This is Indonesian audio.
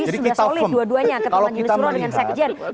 jadi kalau kita melihat